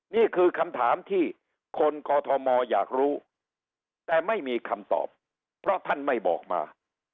นี่คือคำถามที่คนกอทมอยากรู้แต่ไม่มีคำตอบเพราะท่านไม่บอกมา